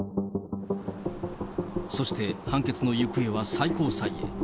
そして判決の行方は最高裁へ。